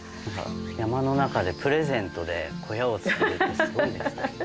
山の中でプレゼントで小屋を造るってすごいですね。